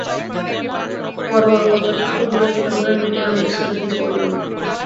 বড়ো বড়ো কলকারখানা তো দূরের কথা, ঘরের মধ্যেই আমাদের সজাগ দৃষ্টি পড়ল না।